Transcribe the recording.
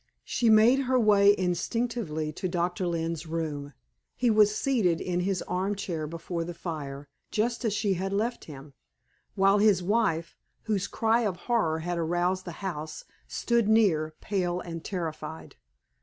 She made her way instinctively to Doctor Lynne's room. He was seated in his arm chair before the fire, just as she had left him, while his wife, whose cry of horror had aroused the house, stood near, pale and terrified.